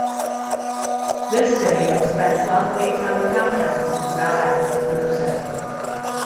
This video spent twelve weeks on the countdown and bowed out at number seven.